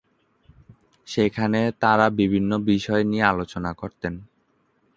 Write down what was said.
সেখানে তারা বিভিন্ন বিষয় নিয়ে আলোচনা করতেন।